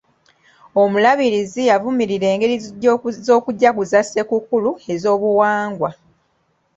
Omulabirizi yavumirira engeri z'okujaguza ssekukulu ez'obuwangwa.